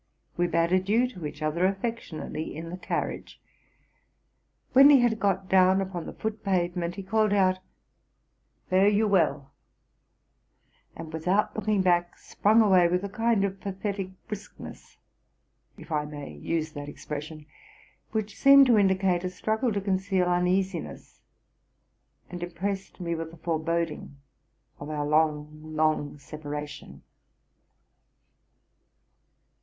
We bade adieu to each other affectionately in the carriage. When he had got down upon the foot pavement, he called out, 'Fare you well;' and without looking back, sprung away with a kind of pathetick briskness, if I may use that expression, which seemed to indicate a struggle to conceal uneasiness, and impressed me with a foreboding of our long, long separation.